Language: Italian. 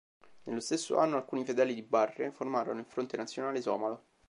Nello stesso anno alcuni fedeli di Barre formarono il Fronte Nazionale Somalo.